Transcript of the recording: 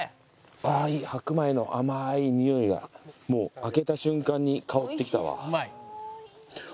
白米の甘いにおいがもう開けた瞬間に香ってきたわ。